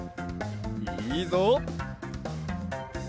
いいぞ！